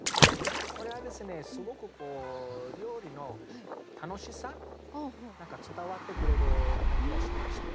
これはですねすごく料理の楽しさ何か伝わってくれる感じがしまして。